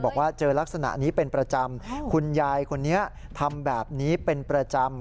บอกว่าเจอลักษณะนี้เป็นประจำคุณยายคนนี้ทำแบบนี้เป็นประจำ